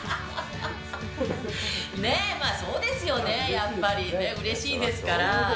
ねぇ、まあそうですよね、やっぱりね、うれしいですから。